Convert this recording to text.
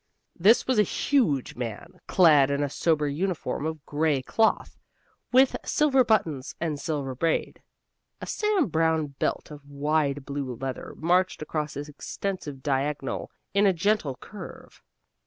This was a huge man, clad in a sober uniform of gray cloth, with silver buttons and silver braid. A Sam Browne belt of wide blue leather marched across his extensive diagonal in a gentle curve.